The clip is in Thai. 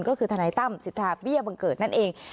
ก็คือทนายตั้มสิทธาเบี้ยบังเกิดนั่นเอง